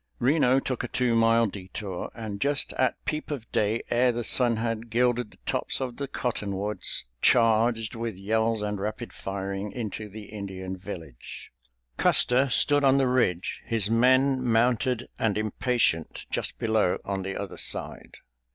Reno took a two mile detour, and just at peep of day, ere the sun had gilded the tops of the cottonwoods, charged, with yells and rapid firing, into the Indian village. Custer stood on the ridge, his men mounted and impatient just below on the other side.